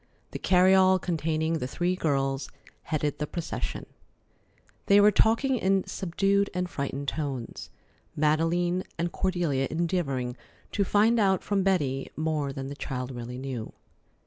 The carryall containing the three girls headed the procession. They were talking in subdued and frightened tones, Madeleine and Cordelia endeavoring to find out from Betty more than the child really knew.